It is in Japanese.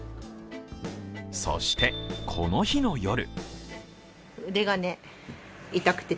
そして、この日の夜。